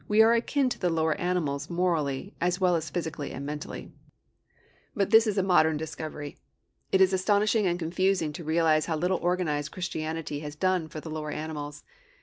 We are akin to the lower animals morally, as well as physically and mentally. But this is a modern discovery. It is astonishing and confusing to realize how little organized Christianity has done for the lower animals.